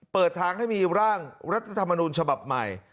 เปิดทางให้มีร่างรัฐธรรมนุนฉบับใหม่